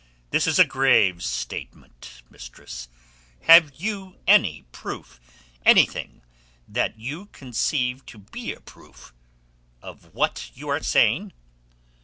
this is a grave statement, mistress. Have you any proof—anything that you conceive to be a proof—of what you are saying?"